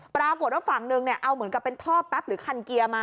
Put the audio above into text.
ปรากฏว่าฝั่งนึงเนี่ยเอาเหมือนกับเป็นท่อแป๊บหรือคันเกียร์มา